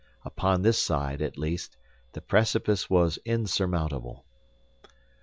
Upon this side, at least, the precipice was insurmountable.